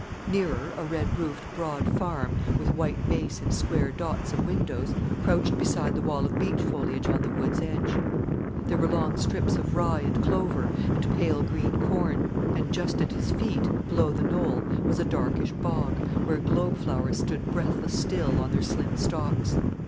Nearer, a red roofed, broad farm with white base and square dots of windows crouched beside the wall of beech foliage on the wood's edge. There were long strips of rye and clover and pale green corn. And just at his feet, below the knoll, was a darkish bog, where globe flowers stood breathless still on their slim stalks.